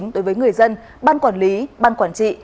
đối với người dân ban quản lý ban quản trị